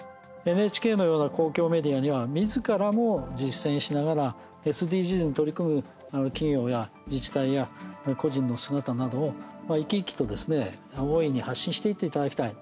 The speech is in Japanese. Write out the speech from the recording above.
ＮＨＫのような公共メディアにはみずからも実践しながらＳＤＧｓに取り組む企業や自治体や、個人の姿などを生き生きとですね、大いに発信していっていただきたい。